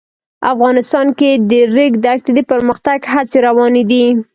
افغانستان کې د د ریګ دښتې د پرمختګ هڅې روانې دي.